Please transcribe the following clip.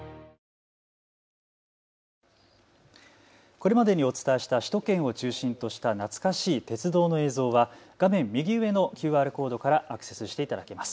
これまでにお伝えした首都圏を中心とした懐かしい鉄道の映像は画面右上のＱＲコードからアクセスしていただけます。